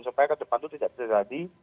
supaya ke depan itu tidak terjadi